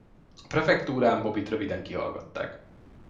A prefektúrán Bobbyt röviden kihallgatták.